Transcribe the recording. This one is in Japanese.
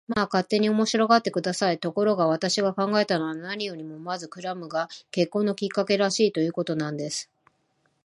まあ、勝手に面白がって下さい。ところが、私が考えたのは、何よりもまずクラムが結婚のきっかけらしい、ということなんです。